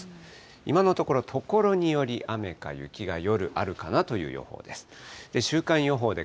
今のところ、ところにより雨か雪が夜あるかなという予報です。